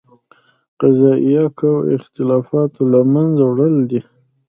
قضائیه قوه اختلافاتو له منځه وړل دي.